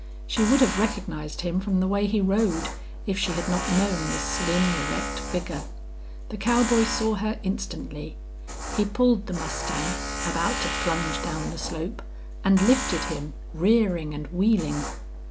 She would have recognized him from the way he rode, if she had not known the slim, erect figure. The cowboy saw her instantly. He pulled the mustang, about to plunge down the slope, and lifted him, rearing and wheeling.